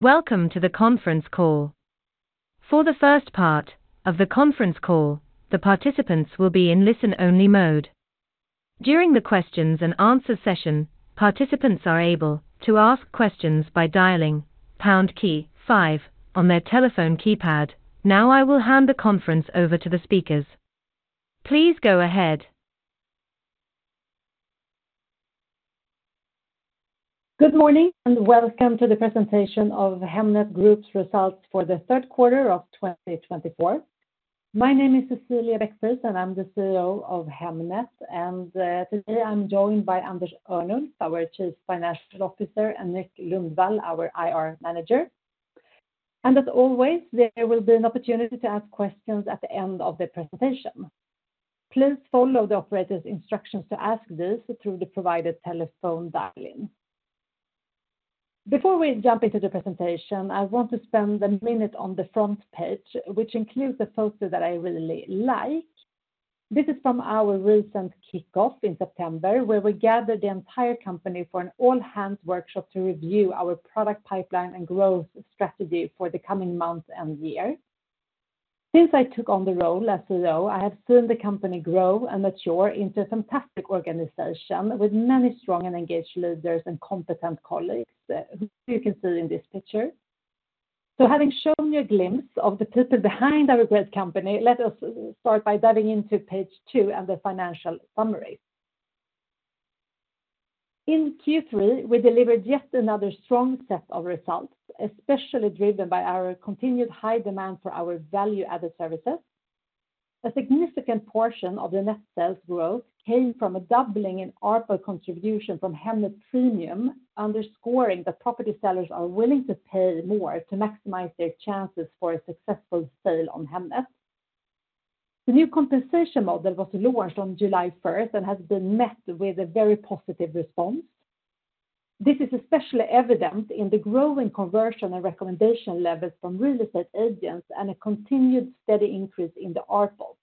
Welcome to the conference call. For the first part of the conference call, the participants will be in listen-only mode. During the questions and answer session, participants are able to ask questions by dialing pound key five on their telephone keypad. Now, I will hand the conference over to the speakers. Please go ahead. Good morning, and welcome to the presentation of Hemnet Group's results for the third quarter of 2024. My name is Cecilia Beck-Friis, and I'm the CEO of Hemnet, and today I'm joined by Anders Örnulf, our Chief Financial Officer, and Nick Lundvall, our IR Manager, and as always, there will be an opportunity to ask questions at the end of the presentation. Please follow the operator's instructions to ask this through the provided telephone dial-in. Before we jump into the presentation, I want to spend a minute on the front page, which includes a photo that I really like. This is from our recent kickoff in September, where we gathered the entire company for an all-hands workshop to review our product pipeline and growth strategy for the coming months and year. Since I took on the role as CEO, I have seen the company grow and mature into a fantastic organization, with many strong and engaged leaders and competent colleagues, you can see in this picture. So having shown you a glimpse of the people behind our great company, let us start by diving into page two and the financial summary. In Q3, we delivered yet another strong set of results, especially driven by our continued high demand for our value-added services. A significant portion of the net sales growth came from a doubling in ARPL contribution from Hemnet Premium, underscoring that property sellers are willing to pay more to maximize their chances for a successful sale on Hemnet. The new compensation model was launched on July first and has been met with a very positive response. This is especially evident in the growing conversion and recommendation levels from real estate agents, and a continued steady increase in the ARPL.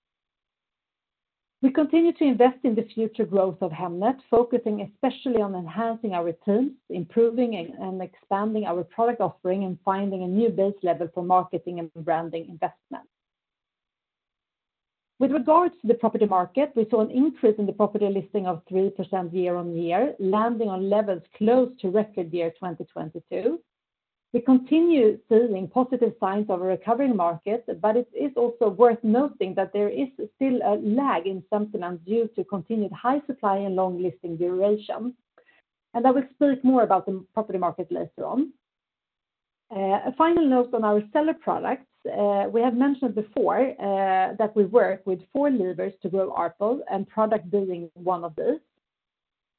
We continue to invest in the future growth of Hemnet, focusing especially on enhancing our returns, improving and expanding our product offering, and finding a new base level for marketing and rebranding investment. With regards to the property market, we saw an increase in the property listing of 3% year-on-year, landing on levels close to record year 2022. We continue seeing positive signs of a recovering market, but it is also worth noting that there is still a lag in something and due to continued high supply and long listing duration, and I will speak more about the property market later on. A final note on our seller products. We have mentioned before that we work with four levers to grow ARPL, and product building is one of those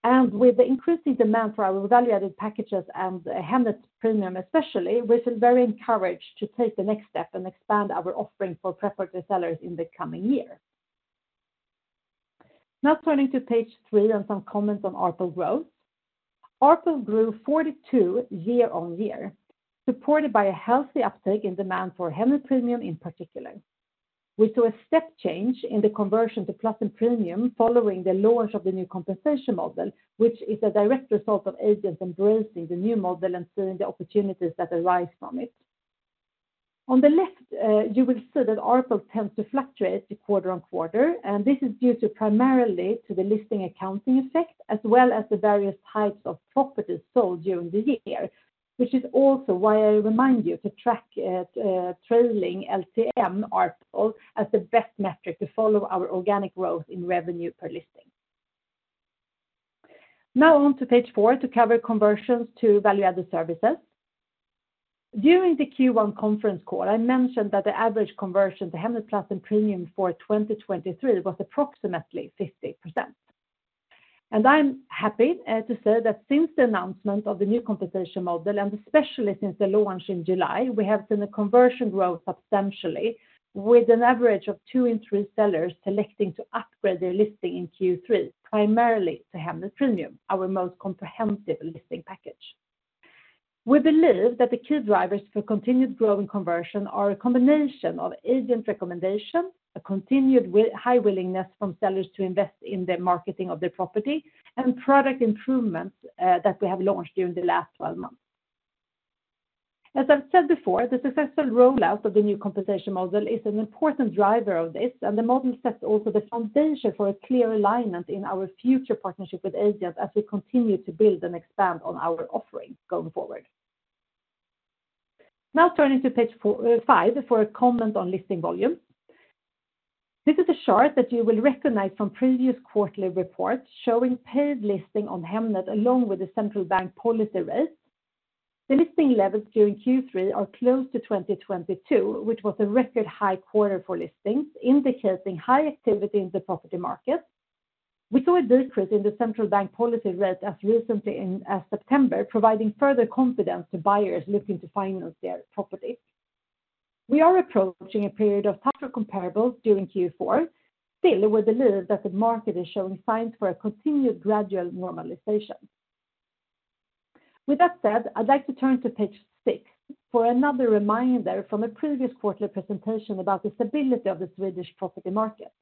and with the increasing demand for our value-added packages and Hemnet Premium especially, we feel very encouraged to take the next step and expand our offering for property sellers in the coming year. Now turning to page three and some comments on ARPL growth. ARPL grew 42% year-on-year, supported by a healthy uptake in demand for Hemnet Premium in particular. We saw a step change in the conversion to Plus and Premium following the launch of the new compensation model, which is a direct result of agents embracing the new model and seeing the opportunities that arise from it. On the left, you will see that ARPL tends to fluctuate quarter on quarter, and this is due primarily to the listing accounting effect, as well as the various types of properties sold during the year. Which is also why I remind you to track trailing LTM ARPL as the best metric to follow our organic growth in revenue per listing. Now on to page four, to cover conversions to value-added services. During the Q1 conference call, I mentioned that the average conversion to Hemnet Plus and Premium for twenty twenty-three was approximately 50%. I'm happy to say that since the announcement of the new compensation model, and especially since the launch in July, we have seen the conversion grow substantially, with an average of two in three sellers selecting to upgrade their listing in Q3, primarily to Hemnet Premium, our most comprehensive listing package. We believe that the key drivers for continued growth and conversion are a combination of agent recommendation, a continued high willingness from sellers to invest in the marketing of their property, and product improvements that we have launched during the last twelve months. As I've said before, the successful rollout of the new compensation model is an important driver of this, and the model sets also the foundation for a clear alignment in our future partnership with agents, as we continue to build and expand on our offering going forward. Now turning to page four, five, for a comment on listing volume. This is a chart that you will recognize from previous quarterly reports, showing paid listing on Hemnet, along with the central bank policy rates. The listing levels during Q3 are close to twenty twenty-two, which was a record high quarter for listings, indicating high activity in the property market. We saw a decrease in the central bank policy rates as recently in September, providing further confidence to buyers looking to finance their property. We are approaching a period of tougher comparables during Q4. Still, we believe that the market is showing signs for a continued gradual normalization. With that said, I'd like to turn to page six for another reminder from a previous quarterly presentation about the stability of the Swedish property market.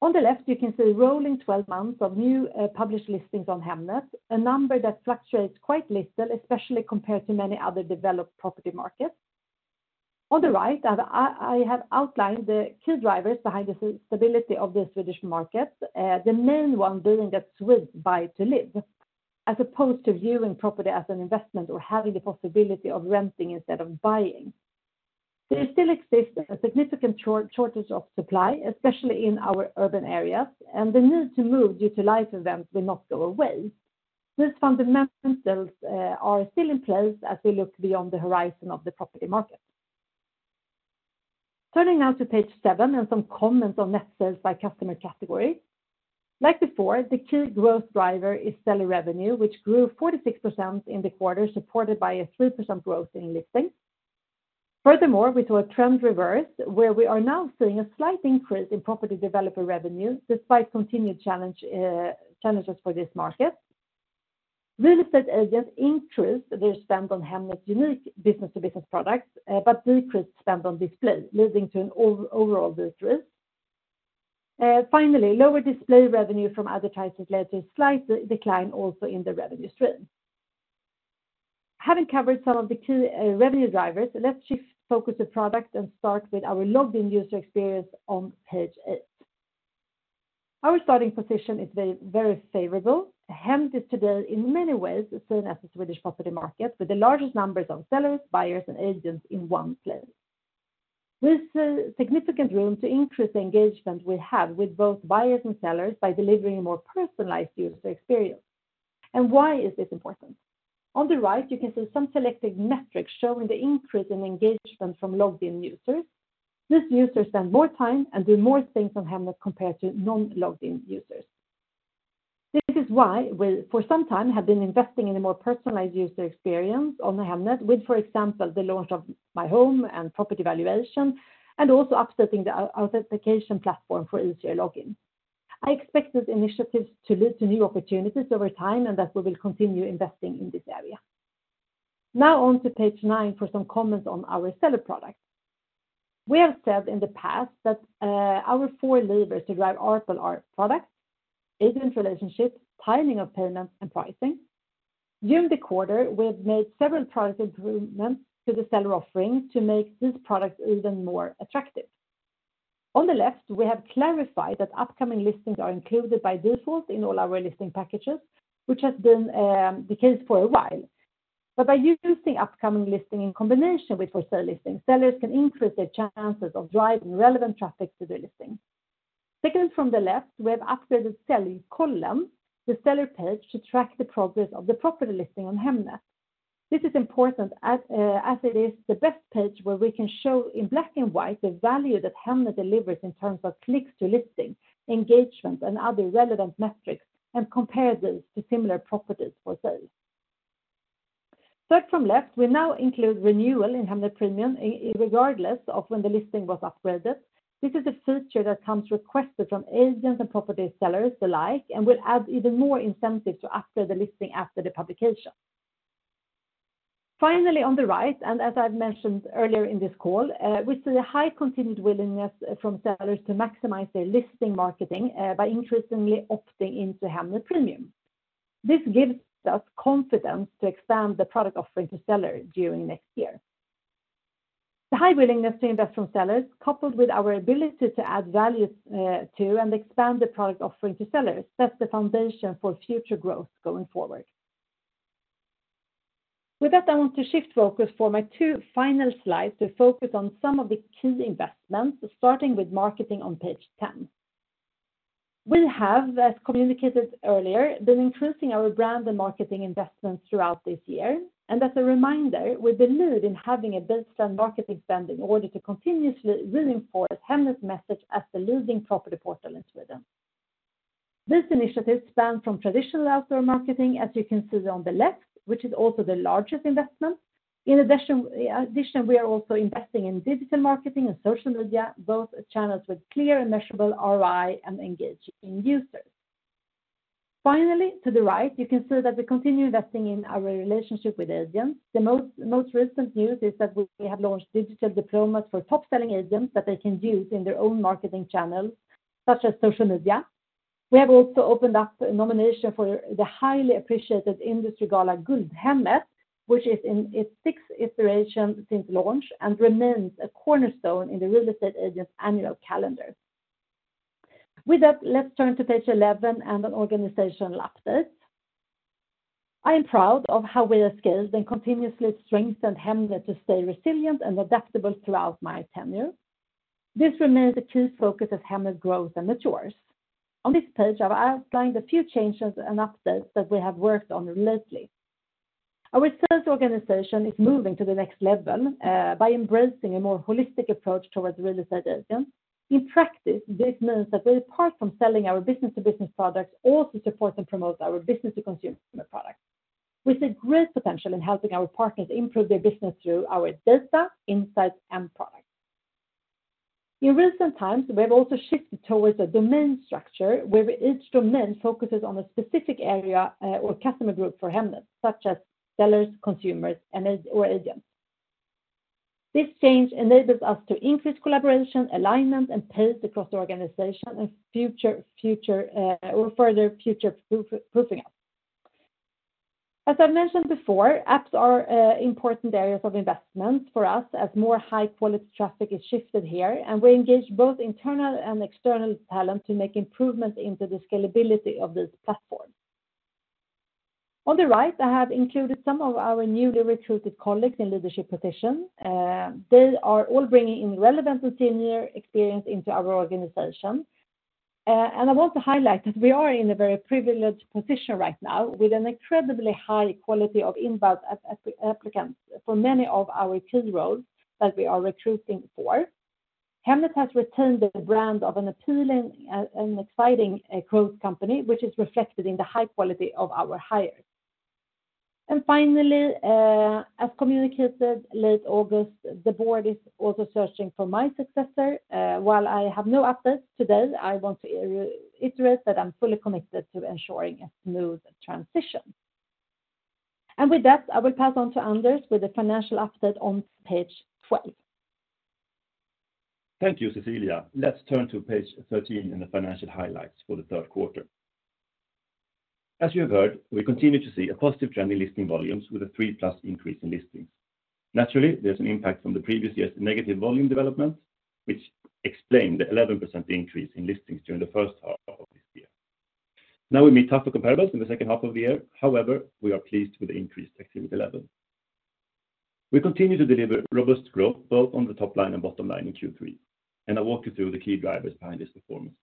On the left, you can see rolling twelve months of new published listings on Hemnet, a number that fluctuates quite little, especially compared to many other developed property markets. On the right, I have outlined the key drivers behind the stability of the Swedish market. The main one being that Swedes buy to live, as opposed to viewing property as an investment or having the possibility of renting instead of buying. There still exists a significant shortage of supply, especially in our urban areas, and the need to move due to life events will not go away. These fundamentals are still in place as we look beyond the horizon of the property market. Turning now to page seven and some comments on net sales by customer category. Like before, the key growth driver is seller revenue, which grew 46% in the quarter, supported by a 3% growth in listings. Furthermore, we saw a trend reverse, where we are now seeing a slight increase in property developer revenue, despite continued challenges for this market. Real estate agents increased their spend on Hemnet's unique business-to-business products, but decreased spend on display, leading to an overall decrease. Finally, lower display revenue from advertisers led to a slight decline also in the revenue stream. Having covered some of the key revenue drivers, let's shift focus to product and start with our logged-in user experience on page eight. Our starting position is very favorable. Hemnet is today, in many ways, seen as the Swedish property market, with the largest numbers of sellers, buyers, and agents in one place. There is significant room to increase the engagement we have with both buyers and sellers by delivering a more personalized user experience. And why is this important? On the right, you can see some selected metrics showing the increase in engagement from logged-in users. These users spend more time and do more things on Hemnet compared to non-logged-in users. This is why we, for some time, have been investing in a more personalized user experience on Hemnet with, for example, the launch of My Home and property valuation, and also updating the authentication platform for easier login. I expect these initiatives to lead to new opportunities over time, and that we will continue investing in this area. Now, on to page nine for some comments on our seller product. We have said in the past that our four levers to drive are for our products, agent relationships, timing of payments, and pricing. During the quarter, we have made several product improvements to the seller offering to make this product even more attractive. On the left, we have clarified that upcoming listings are included by default in all our listing packages, which has been the case for a while. But by using upcoming listing in combination with for-sale listings, sellers can increase their chances of driving relevant traffic to their listing. Second from the left, we have upgraded Säljkollen, the seller page, to track the progress of the property listing on Hemnet. This is important as it is the best page where we can show in black and white the value that Hemnet delivers in terms of clicks to listings, engagement, and other relevant metrics, and compare those to similar properties for sale. Third from left, we now include renewal in Hemnet Premium, irregardless of when the listing was upgraded. This is a feature that comes requested from agents and property sellers alike, and will add even more incentive to upgrade the listing after the publication. Finally, on the right, and as I've mentioned earlier in this call, we see a high continued willingness from sellers to maximize their listing marketing by interestingly opting into Hemnet Premium. This gives us confidence to expand the product offering to sellers during next year. The high willingness to invest from sellers, coupled with our ability to add value to and expand the product offering to sellers, sets the foundation for future growth going forward. With that, I want to shift focus for my two final slides to focus on some of the key investments, starting with marketing on page ten. We have, as communicated earlier, been increasing our brand and marketing investments throughout this year. As a reminder, we believe in having a baseline marketing spend in order to continuously reinforce Hemnet's message as the leading property portal in Sweden. This initiative spans from traditional outdoor marketing, as you can see on the left, which is also the largest investment. In addition, we are also investing in digital marketing and social media, both channels with clear and measurable ROI and engaging users. Finally, to the right, you can see that we continue investing in our relationship with agents. The most recent news is that we have launched digital diplomas for top-selling agents that they can use in their own marketing channels, such as social media. We have also opened up a nomination for the highly appreciated industry gala, Guldhemmet, which is in its sixth iteration since launch and remains a cornerstone in the real estate agents' annual calendar. With that, let's turn to page eleven and an organizational update. I am proud of how we have scaled and continuously strengthened Hemnet to stay resilient and adaptable throughout my tenure. This remains a key focus as Hemnet grows and matures. On this page, I've outlined a few changes and updates that we have worked on lately. Our sales organization is moving to the next level by embracing a more holistic approach towards real estate agents. In practice, this means that they, apart from selling our business-to-business products, also support and promote our business-to-consumer products. We see great potential in helping our partners improve their business through our data, insights, and products. In recent times, we have also shifted towards a domain structure, where each domain focuses on a specific area or customer group for Hemnet, such as sellers, consumers, and agents. This change enables us to increase collaboration, alignment, and pace across the organization and future-proofing us. As I've mentioned before, apps are important areas of investment for us as more high-quality traffic is shifted here, and we engage both internal and external talent to make improvements into the scalability of this platform. On the right, I have included some of our newly recruited colleagues in leadership positions. They are all bringing in relevant and senior experience into our organization. And I want to highlight that we are in a very privileged position right now, with an incredibly high quality of inbound applicants for many of our key roles that we are recruiting for. Hemnet has retained the brand of an appealing and exciting growth company, which is reflected in the high quality of our hires. And finally, as communicated, late August, the board is also searching for my successor. While I have no updates today, I want to reiterate that I'm fully committed to ensuring a smooth transition. And with that, I will pass on to Anders with the financial update on page twelve. Thank you, Cecilia. Let's turn to page 13 in the financial highlights for the third quarter. As you have heard, we continue to see a positive trend in listing volumes with a 3% increase in listings. Naturally, there's an impact from the previous year's negative volume development, which explained the 11% increase in listings during the first half of this year. Now, we meet tougher comparables in the second half of the year. However, we are pleased with the increased activity level. We continue to deliver robust growth, both on the top line and bottom line in Q3, and I'll walk you through the key drivers behind this performance.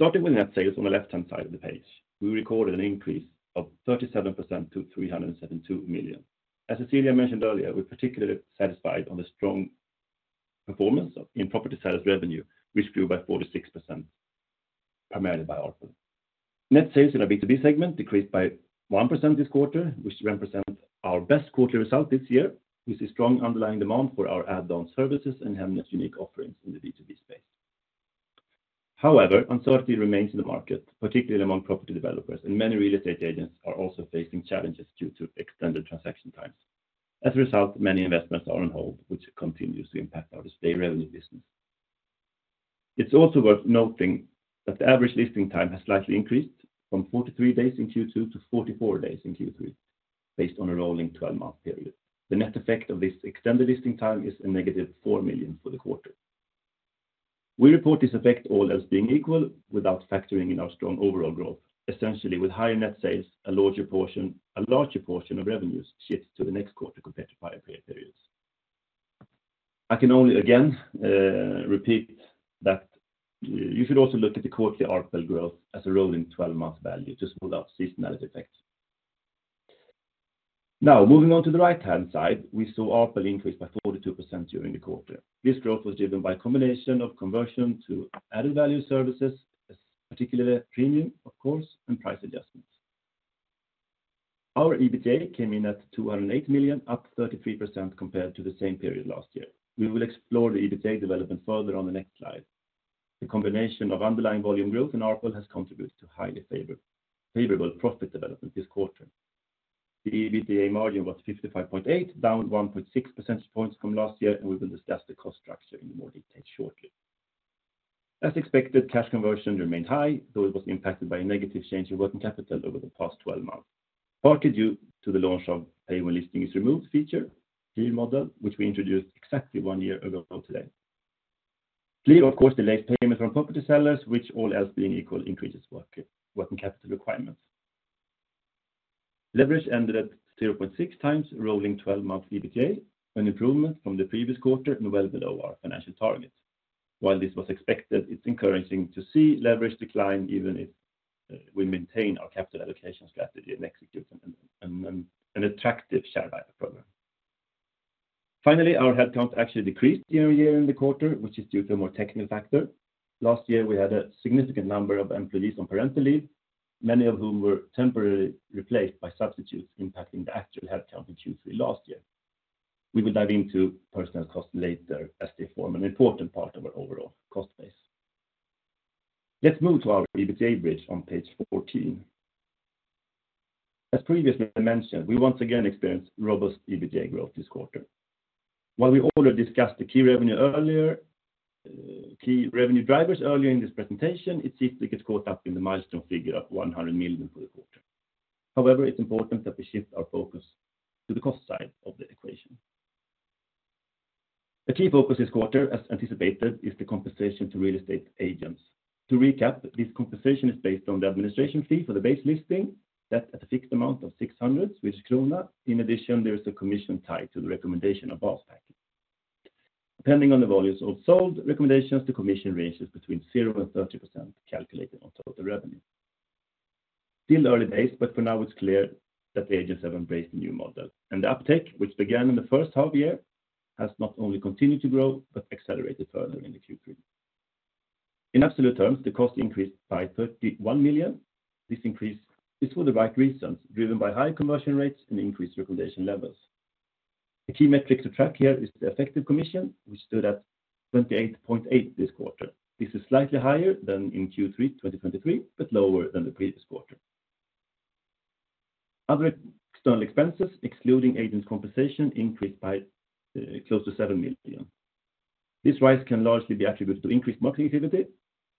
Starting with net sales on the left-hand side of the page, we recorded an increase of 37% to 372 million. As Cecilia mentioned earlier, we're particularly satisfied on the strong performance of, in property sales revenue, which grew by 46%, primarily by ARPL. Net sales in our B2B segment decreased by 1% this quarter, which represent our best quarterly result this year, with a strong underlying demand for our add-on services and Hemnet's unique offerings in the B2B space. However, uncertainty remains in the market, particularly among property developers, and many real estate agents are also facing challenges due to extended transaction times. As a result, many investments are on hold, which continues to impact our display revenue business. It's also worth noting that the average listing time has slightly increased from 43 days in Q2 to 44 days in Q3, based on a rolling twelve-month period. The net effect of this extended listing time is a negative 4 million for the quarter. We report this effect all as being equal, without factoring in our strong overall growth, essentially, with higher net sales, a larger portion of revenues shift to the next quarter compared to prior periods. I can only, again, repeat that you should also look at the quarterly ARPL growth as a rolling twelve-month value, just without seasonality effects. Now, moving on to the right-hand side, we saw ARPL increase by 42% during the quarter. This growth was driven by a combination of conversion to added value services, as particularly premium, of course, and price adjustments. Our EBITDA came in at 208 million, up 33% compared to the same period last year. We will explore the EBITDA development further on the next slide. The combination of underlying volume growth and ARPL has contributed to highly favorable profit development this quarter. The EBITDA margin was 55.8, down 1.6 percentage points from last year, and we will discuss the cost structure in more detail shortly. As expected, cash conversion remained high, though it was impacted by a negative change in working capital over the past 12 months, partly due to the launch of "Pay When Listing is Removed" feature, the model, which we introduced exactly one year ago today. Clearly, of course, delays payment from property sellers, which, all else being equal, increases working capital requirements. Leverage ended at 0.6 times, rolling 12-month EBITDA, an improvement from the previous quarter and well below our financial target. While this was expected, it's encouraging to see leverage decline, even if we maintain our capital allocation strategy and execute an attractive share buyback program. Finally, our headcount actually decreased year on year in the quarter, which is due to a more technical factor. Last year, we had a significant number of employees on parental leave, many of whom were temporarily replaced by substitutes, impacting the actual headcount in Q3 last year. We will dive into personnel costs later, as they form an important part of our overall cost base. Let's move to our EBITDA bridge on page 14. As previously mentioned, we once again experienced robust EBITDA growth this quarter. While we already discussed the key revenue earlier, key revenue drivers earlier in this presentation, it simply gets caught up in the milestone figure of 100 million for the quarter. However, it's important that we shift our focus to the cost side of the equation. The key focus this quarter, as anticipated, is the compensation to real estate agents. To recap, this compensation is based on the administration fee for the base listing. That's at a fixed amount of 600 krona. In addition, there is a commission tied to the recommendation of boost package. Depending on the volumes of sold recommendations, the commission ranges between 0% and 30%, calculated on total revenue. Still early days, but for now, it's clear that the agents have embraced the new model, and the uptake, which began in the first half year, has not only continued to grow, but accelerated further in the Q3. In absolute terms, the cost increased by 31 million SEK. This increase is for the right reasons, driven by high conversion rates and increased recommendation levels. The key metric to track here is the effective commission, which stood at 28.8% this quarter. This is slightly higher than in Q3 2023, but lower than the previous quarter. Other external expenses, excluding agent compensation, increased by close to 7 million. This rise can largely be attributed to increased marketing activity,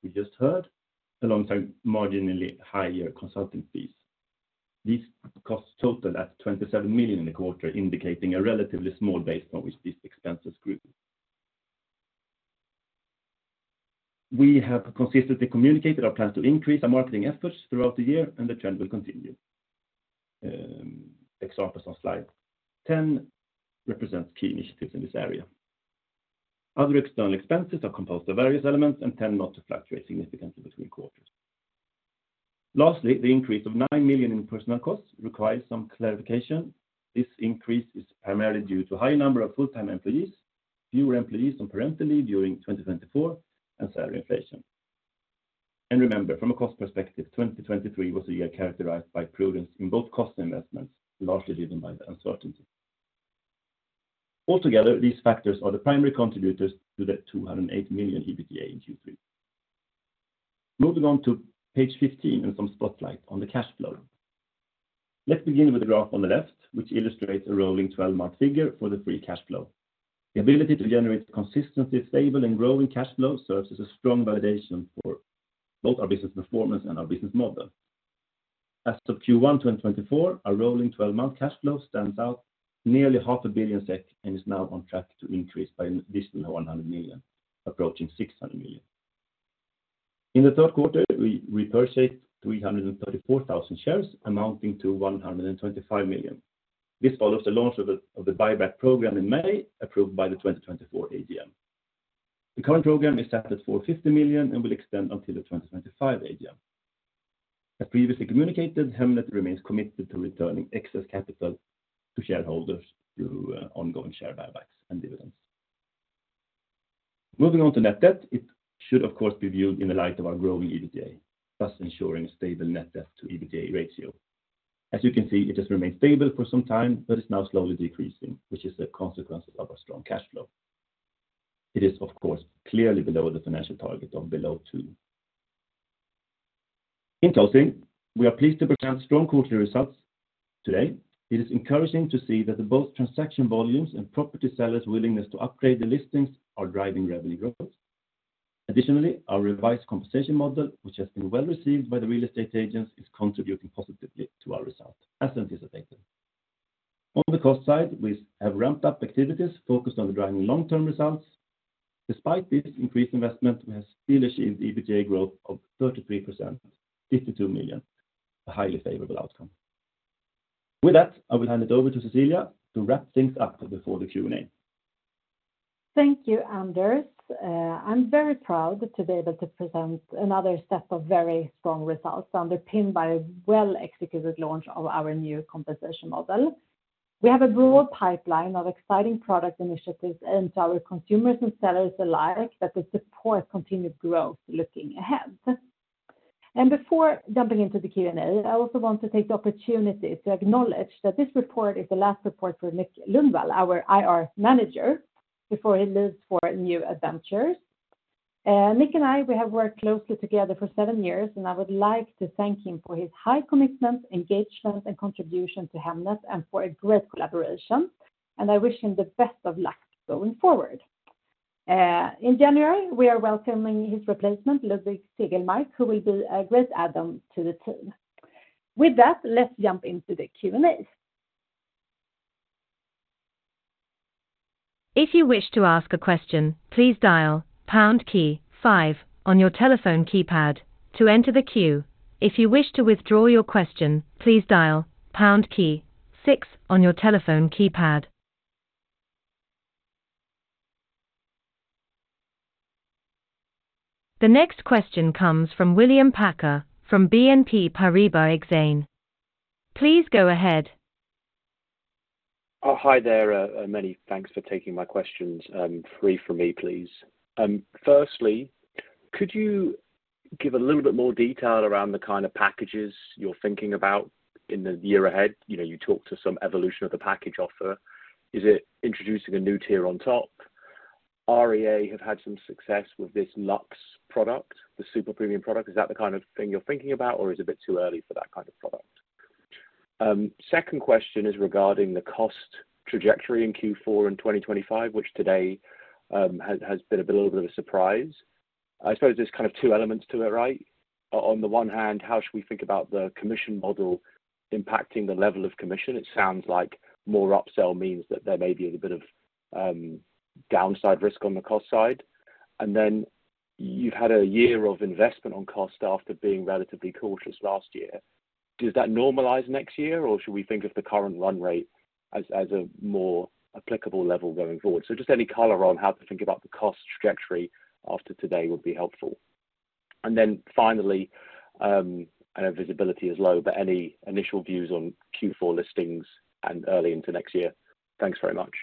we just heard, alongside marginally higher consulting fees. These costs total 27 million in the quarter, indicating a relatively small base on which these expenses grew. We have consistently communicated our plans to increase our marketing efforts throughout the year, and the trend will continue. Examples on slide 10 represents key initiatives in this area. Other external expenses are composed of various elements and tend not to fluctuate significantly between quarters. Lastly, the increase of 9 million in personal costs requires some clarification. This increase is primarily due to high number of full-time employees, fewer employees on parental leave during 2024, and salary inflation. Remember, from a cost perspective, 2023 was a year characterized by prudence in both cost investments, largely driven by the uncertainty. Altogether, these factors are the primary contributors to the 208 million SEK EBITDA in Q3. Moving on to page 15 and some spotlight on the cash flow. Let's begin with the graph on the left, which illustrates a rolling 12-month figure for the free cash flow. The ability to generate consistently stable and growing cash flow serves as a strong validation for both our business performance and our business model. As of Q1, 2024, our rolling 12-month cash flow stands out nearly 500 million SEK, and is now on track to increase by an additional 100 million SEK, approaching 600 million SEK. In the third quarter, we repurchased 334,000 shares, amounting to 125 million SEK. This follows the launch of the buyback program in May, approved by the 2024 AGM. The current program is set at 450 million and will extend until the 2025 AGM. As previously communicated, Hemnet remains committed to returning excess capital to shareholders through ongoing share buybacks and dividends. Moving on to net debt, it should, of course, be viewed in the light of our growing EBITDA, thus ensuring a stable net debt to EBITDA ratio. As you can see, it has remained stable for some time, but is now slowly decreasing, which is a consequence of our strong cash flow. It is, of course, clearly below the financial target on below 2. In closing, we are pleased to present strong quarterly results today. It is encouraging to see that both transaction volumes and property sellers' willingness to upgrade the listings are driving revenue growth. Additionally, our revised compensation model, which has been well-received by the real estate agents, is contributing positively to our results, as anticipated. On the cost side, we have ramped up activities focused on driving long-term results. Despite this increased investment, we have still achieved EBITDA growth of 33%, 52 million, a highly favorable outcome. With that, I will hand it over to Cecilia to wrap things up before the Q&A. Thank you, Anders. I'm very proud to be able to present another set of very strong results, underpinned by a well-executed launch of our new compensation model. We have a broad pipeline of exciting product initiatives aimed to our consumers and sellers alike, that will support continued growth looking ahead. Before jumping into the Q&A, I also want to take the opportunity to acknowledge that this report is the last report for Nick Lundvall, our IR manager, before he leaves for new adventures. Nick and I, we have worked closely together for seven years, and I would like to thank him for his high commitment, engagement, and contribution to Hemnet, and for a great collaboration, and I wish him the best of luck going forward. In January, we are welcoming his replacement, Ludvig Segemark, who will be a great add-on to the team. With that, let's jump into the Q&A. If you wish to ask a question, please dial pound key five on your telephone keypad to enter the queue. If you wish to withdraw your question, please dial pound key six on your telephone keypad. The next question comes from William Packer from BNP Paribas Exane. Please go ahead. Oh, hi there. Many thanks for taking my questions, three for me, please. Firstly, could you give a little bit more detail around the kind of packages you're thinking about in the year ahead? You know, you talked to some evolution of the package offer. Is it introducing a new tier on top? REA have had some success with this Luxe product, the super premium product. Is that the kind of thing you're thinking about, or is it a bit too early for that kind of product? Second question is regarding the cost trajectory in Q4 and 2025, which today has been a bit of a surprise. I suppose there's kind of two elements to it, right? On the one hand, how should we think about the commission model impacting the level of commission? It sounds like more upsell means that there may be a bit of downside risk on the cost side. And then you've had a year of investment on cost after being relatively cautious last year. Does that normalize next year, or should we think of the current run rate as a more applicable level going forward? So just any color on how to think about the cost trajectory after today would be helpful. And then finally, I know visibility is low, but any initial views on Q4 listings and early into next year? Thanks very much.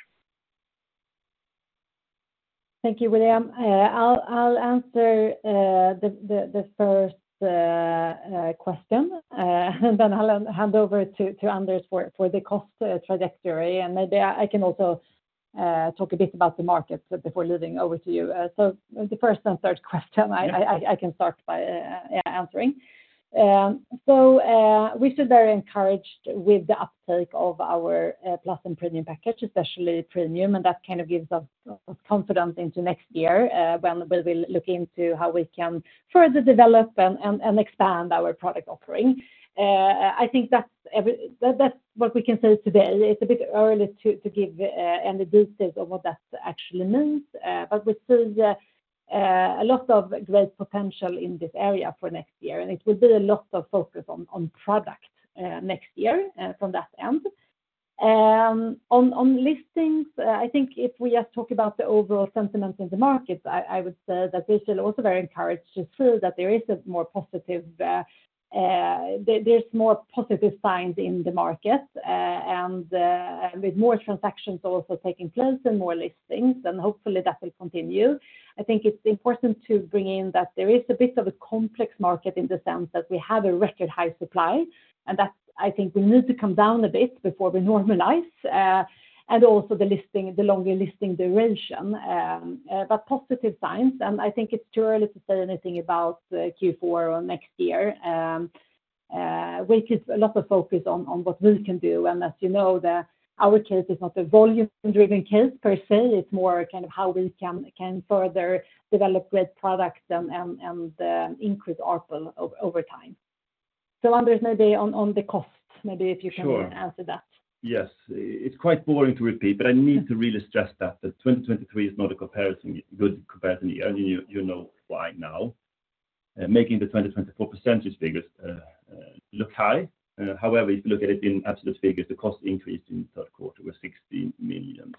Thank you, William. I'll answer the first question and then I'll hand over to Anders for the cost trajectory. Maybe I can also talk a bit about the market before handing over to you. So the first and third question, I can start by answering. So we're still very encouraged with the uptake of our Plus and Premium package, especially Premium, and that kind of gives us confidence into next year when we'll be looking into how we can further develop and expand our product offering. I think that's what we can say today. It's a bit early to give any details of what that actually means. But we see a lot of great potential in this area for next year, and it will be a lot of focus on product next year from that end. On listings, I think if we just talk about the overall sentiment in the market, I would say that we're still also very encouraged to see that there's more positive signs in the market, and with more transactions also taking place and more listings, and hopefully that will continue. I think it's important to bring in that there is a bit of a complex market in the sense that we have a record high supply, and that's, I think we need to come down a bit before we normalize, and also the listing, the longer listing duration, but positive signs, and I think it's too early to say anything about Q4 or next year. We keep a lot of focus on what we can do, and as you know, our case is not a volume driven case per se. It's more kind of how we can further develop great products and increase ARPU over time. So Anders, maybe on the cost, maybe if you can answer that. Sure. Yes. It's quite boring to repeat, but I need to really stress that 2023 is not a good comparison year, and you know why now. Making the 2024 percentage figures look high. However, if you look at it in absolute figures, the cost increase in the third quarter was 60 million.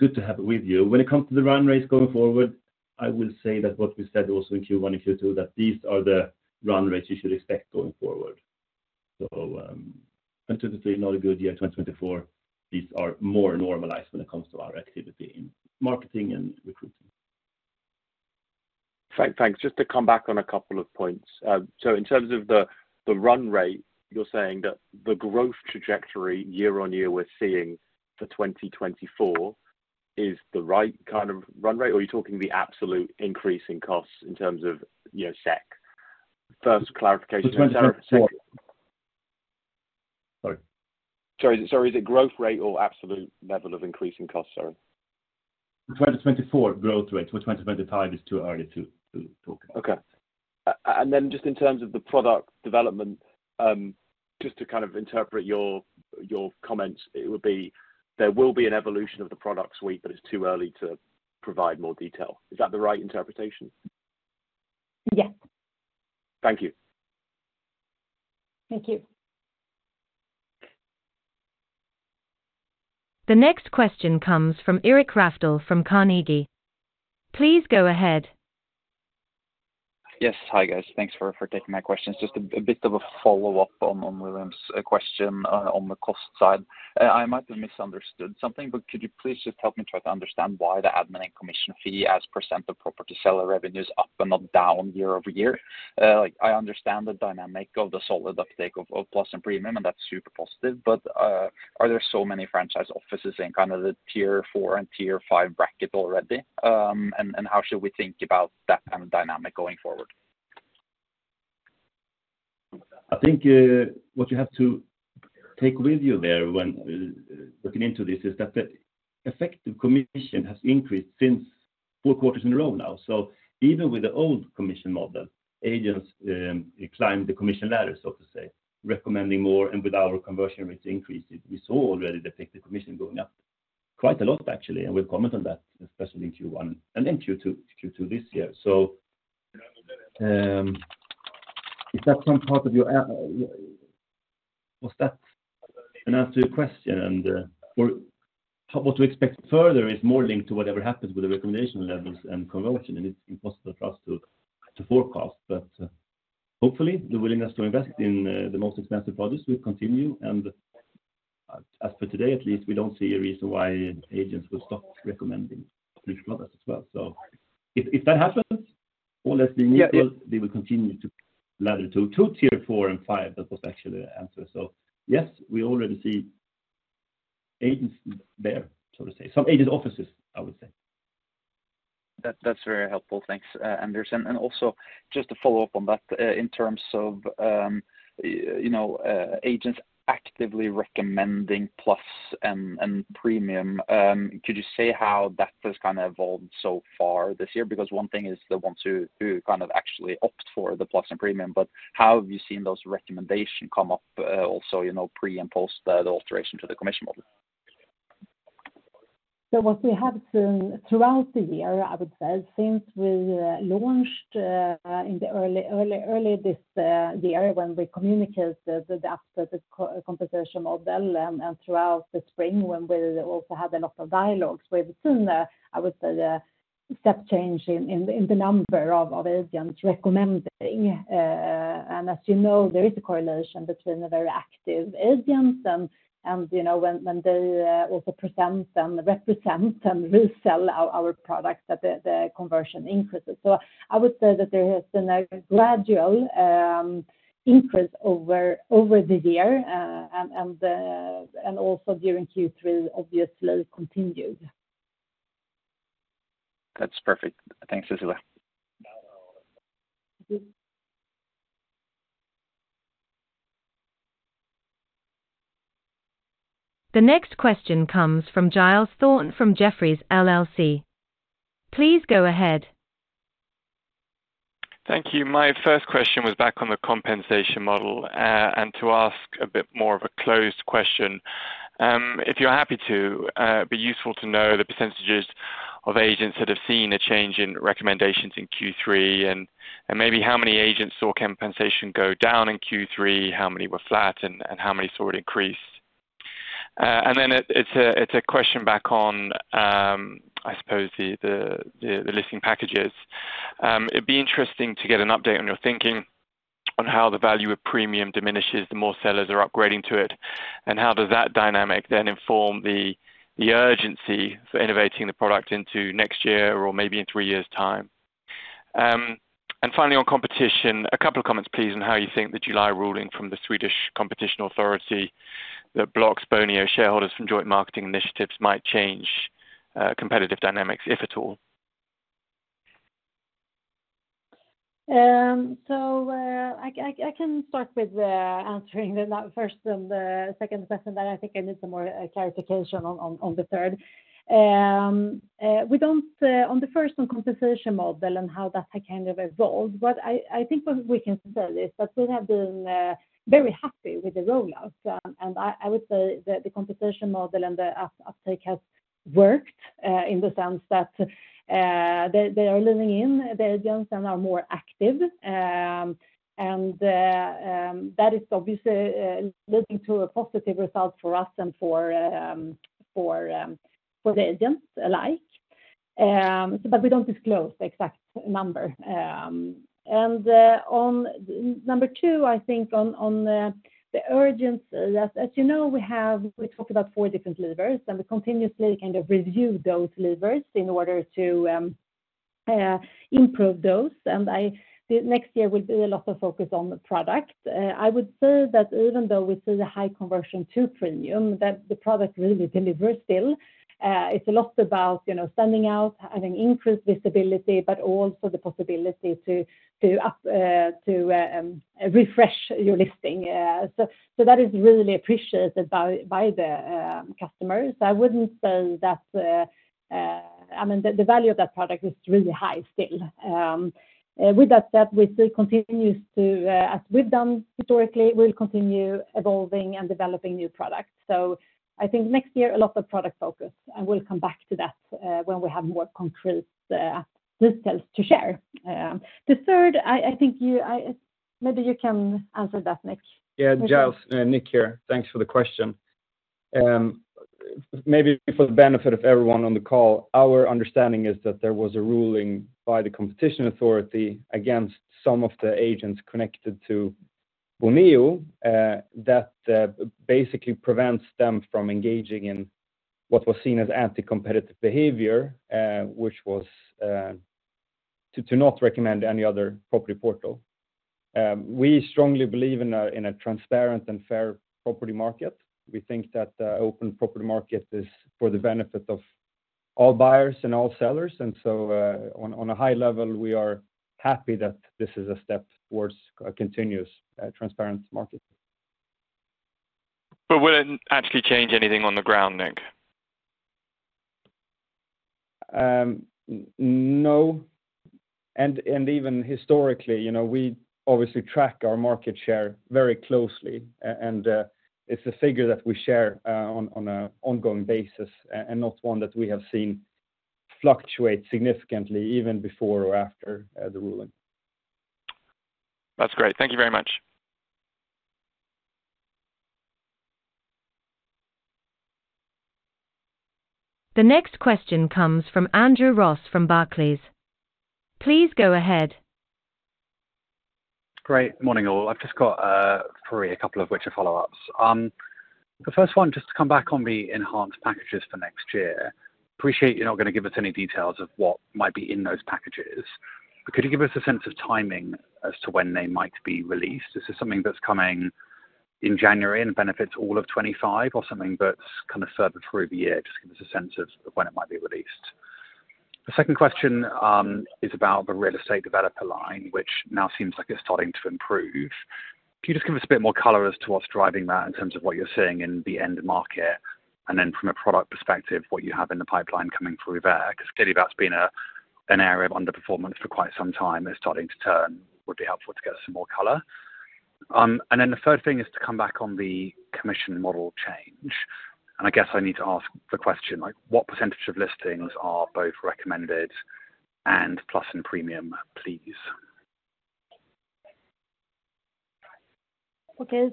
Good to have it with you. When it comes to the run rates going forward, I will say that what we said also in Q1 and Q2, that these are the run rates you should expect going forward. 2023, not a good year. 2024, these are more normalized when it comes to our activity in marketing and recruiting. Thanks, thanks. Just to come back on a couple of points. So in terms of the run rate, you're saying that the growth trajectory year on year we're seeing for 2024 is the right kind of run rate, or are you talking the absolute increase in costs in terms of, you know, SEK? First, clarification. Sorry. Sorry, so is it growth rate or absolute level of increase in costs? Sorry. Twenty twenty-four, growth rate. For twenty twenty-five, it's too early to talk. Okay. And then just in terms of the product development, just to kind of interpret your comments, it would be there will be an evolution of the product suite, but it's too early to provide more detail. Is that the right interpretation? Yes. Thank you. Thank you. The next question comes from Eirik Rafdal from Carnegie. Please go ahead. Yes. Hi, guys. Thanks for taking my questions. Just a bit of a follow-up on William's question on the cost side. I might have misunderstood something, but could you please just help me try to understand why the admin and commission fee as % of property seller revenue is up and not down year over year? Like, I understand the dynamic of the solid uptake of Plus and Premium, and that's super positive, but are there so many franchise offices in kind of the tier four and tier five bracket already? And how should we think about that kind of dynamic going forward? I think, what you have to take with you there when looking into this, is that the effective commission has increased since four quarters in a row now. So even with the old commission model, agents climbed the commission ladder, so to say, recommending more, and with our conversion rates increasing, we saw already the effective commission going up quite a lot, actually, and we'll comment on that, especially in Q1 and then Q2 this year. So, is that some part of your answer? Was that an answer to your question? And, well, what to expect further is more linked to whatever happens with the recommendation levels and conversion, and it's impossible for us to forecast. But, hopefully, the willingness to invest in the most expensive products will continue. As for today, at least, we don't see a reason why agents will stop recommending premium products as well, so if that happens, or less than usual- Yeah... they will continue to ladder to tier four and five. That was actually the answer. So yes, we already see agents there, so to say. Some agent offices, I would say. That, that's very helpful. Thanks, Anders. And also, just to follow up on that, in terms of, you know, agents actively recommending Plus and Premium, could you say how that has kinda evolved so far this year? Because one thing is the ones who kind of actually opt for the Plus and Premium, but how have you seen those recommendations come up, also, you know, pre- and post- the alteration to the commission model? So what we have seen throughout the year, I would say, since we launched in early this year when we communicated after the competition model, and throughout the spring, when we also had a lot of dialogues, we've seen, I would say, the step change in the number of agents recommending. And as you know, there is a correction between the very active agents and you know when they also present and represent and resell our products that the conversion increases. So I would say that there has been a gradual increase over the year and also during Q3, obviously continued. That's perfect. Thanks, Ursula. The next question comes from Giles Thorne from Jefferies LLC. Please go ahead. Thank you. My first question was back on the compensation model, and to ask a bit more of a closed question. If you're happy to, it'd be useful to know the percentages of agents that have seen a change in recommendations in Q3, and maybe how many agents saw compensation go down in Q3, how many were flat, and how many saw it increase? And then it's a question back on, I suppose the listing packages. It'd be interesting to get an update on your thinking on how the value of premium diminishes, the more sellers are upgrading to it, and how does that dynamic then inform the urgency for innovating the product into next year or maybe in three years' time? And finally, on competition, a couple of comments, please, on how you think the July ruling from the Swedish Competition Authority that blocks Bonnier shareholders from joint marketing initiatives might change competitive dynamics, if at all? So, I can start with answering the first and the second question, but I think I need some more clarification on the third. We don't on the first on compensation model and how that has kind of evolved. What I think what we can say is that we have been very happy with the rollout. And I would say that the compensation model and the uptake has worked in the sense that they are leaning in, the agents, and are more active. And that is obviously leading to a positive result for us and for the agents alike. But we don't disclose the exact number. On number two, I think on the urgency, as you know, we talked about four different levers, and we continuously kind of review those levers in order to improve those. The next year, we'll do a lot of focus on the product. I would say that even though we see the high conversion to premium, that the product really delivers still. It's a lot about, you know, standing out and an increased visibility, but also the possibility to refresh your listing, so that is really appreciated by the customers. I wouldn't say that, I mean, the value of that product is really high still. With that said, we still continues to, as we've done historically, we'll continue evolving and developing new products. So I think next year, a lot of product focus, and we'll come back to that when we have more concrete details to share. The third, I think you... Maybe you can answer that, Nick. Yeah, Giles, Nick here. Thanks for the question. Maybe for the benefit of everyone on the call, our understanding is that there was a ruling by the Competition Authority against some of the agents connected to Bonnier, that basically prevents them from engaging in what was seen as anti-competitive behavior, which was to not recommend any other property portal. We strongly believe in a transparent and fair property market. We think that the open property market is for the benefit of all buyers and all sellers, and so, on a high level, we are happy that this is a step towards a continuous transparent market. But will it actually change anything on the ground, Nick? No, and even historically, you know, we obviously track our market share very closely. And, it's a figure that we share on an ongoing basis, and not one that we have seen fluctuate significantly, even before or after the ruling. That's great. Thank you very much. The next question comes from Andrew Ross from Barclays. Please go ahead. Great. Morning, all. I've just got three, a couple of which are follow-ups. The first one, just to come back on the enhanced packages for next year. Appreciate you're not gonna give us any details of what might be in those packages, but could you give us a sense of timing as to when they might be released? Is this something that's coming in January and benefits all of twenty-five, or something that's kind of further through the year? Just give us a sense of when it might be released. The second question is about the real estate developer line, which now seems like it's starting to improve. Can you just give us a bit more color as to what's driving that in terms of what you're seeing in the end market, and then from a product perspective, what you have in the pipeline coming through there? 'Cause clearly that's been a, an area of underperformance for quite some time, and starting to turn, would be helpful to get some more color. And then the third thing is to come back on the commission model change, and I guess I need to ask the question, like, what percentage of listings are both recommended and plus and premium, please? Okay.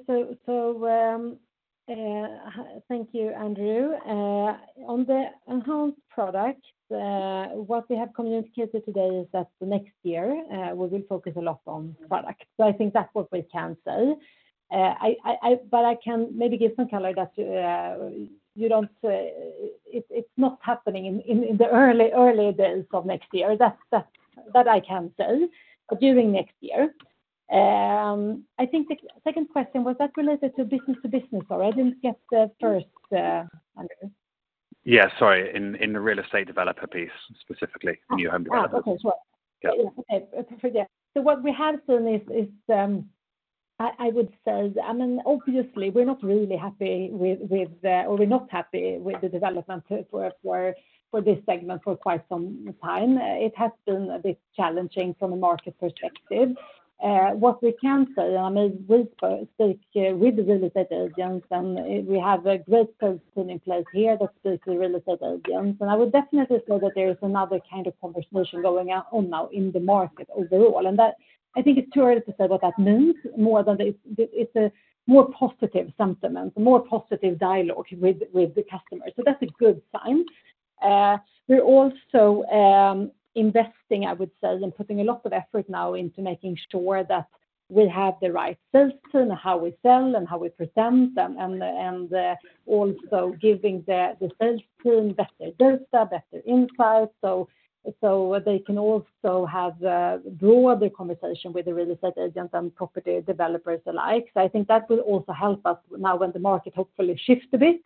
Thank you, Andrew. On the enhanced product, what we have communicated today is that next year we will focus a lot on product. I think that's what we can say. But I can maybe give some color that you don't. It's not happening in the early days of next year. That I can say, but during next year. I think the second question was that related to business to business, or I didn't get the first, Andrew? Yeah, sorry. In the real estate developer piece, specifically, new home developers. Ah, okay, sure. Yeah. I forget. So what we have done is, I would say, I mean, obviously, we're not really happy with, or we're not happy with the development for this segment for quite some time. It has been a bit challenging from a market perspective. What we can say, I mean, we speak with the real estate agents, and we have a great sales team in place here that speaks with real estate agents. And I would definitely say that there is another kind of conversation going on now in the market overall, and that I think it's too early to say what that means, more than it's a more positive sentiment, a more positive dialogue with the customers. So that's a good sign. We're also investing, I would say, and putting a lot of effort now into making sure that we have the right sales team, and how we sell and how we present them, and also giving the sales team better data, better insights. So they can also have broader conversation with the real estate agents and property developers alike. So I think that will also help us now when the market hopefully shifts a bit.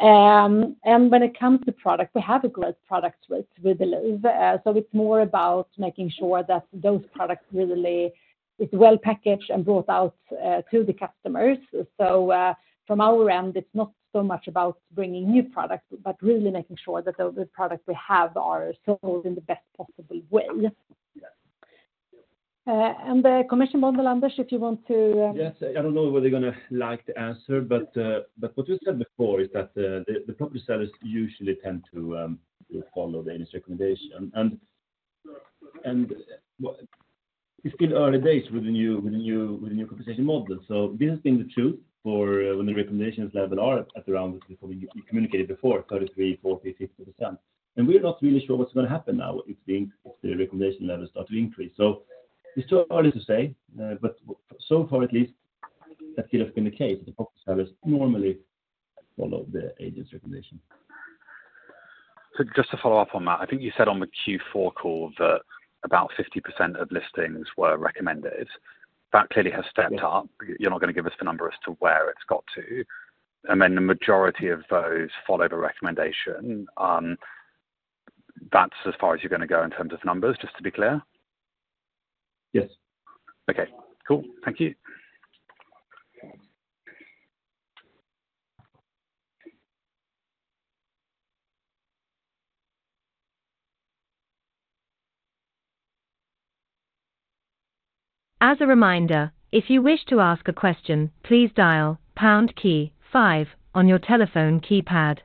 And when it comes to product, we have a great product with Delive. So it's more about making sure that those products really is well packaged and brought out to the customers. So from our end, it's not so much about bringing new products, but really making sure that the products we have are sold in the best possible way. And the commission model, Anders, if you want to Yes. I don't know whether you're gonna like the answer, but what you said before is that the property sellers usually tend to follow the agent's recommendation. It's still early days with the new compensation model. So this has been the truth for when the recommendation levels are at around, before we communicated before 33%, 40%, 50%. We're not really sure what's going to happen now if the recommendation levels start to increase. So it's too early to say, but so far at least, that seems to have been the case. The property sellers normally follow the agent's recommendation. So just to follow up on that, I think you said on the Q4 call that about 50% of listings were recommended. That clearly has stepped up. You're not gonna give us the number as to where it's got to, and then the majority of those follow the recommendation. That's as far as you're gonna go in terms of numbers, just to be clear? Yes. Okay, cool. Thank you. As a reminder, if you wish to ask a question, please dial pound key five on your telephone keypad.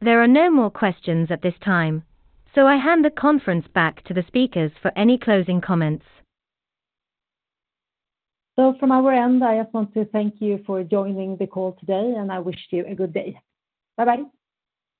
There are no more questions at this time, so I hand the conference back to the speakers for any closing comments. From our end, I just want to thank you for joining the call today, and I wish you a good day. Bye-bye.